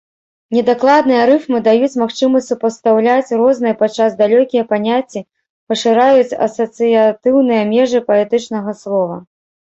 Недакладныя рыфмы даюць магчымасць супастаўляць розныя, падчас далёкія паняцці, пашыраюць асацыятыўныя межы паэтычнага слова.